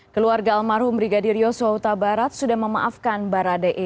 keluarga almarhum brigadir yosua utabarat sudah memaafkan baradei